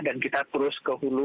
dan kita terus ke hulu